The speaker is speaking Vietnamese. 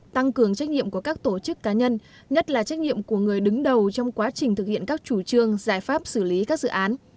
tăng cường trách nhiệm của các tổ chức cá nhân nhất là trách nhiệm của người đứng đầu trong quá trình thực hiện các chủ trương giải pháp xử lý các dự án